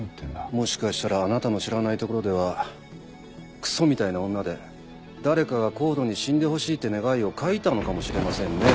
もしかしたらあなたの知らないところではクソみたいな女で誰かがＣＯＤＥに「死んでほしい」って願いを書いたのかもしれませんねぇ。